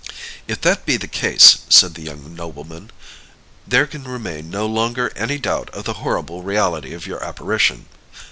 "If that be the case," said the young nobleman, "there can remain no longer any doubt of the horrible reality of your apparition.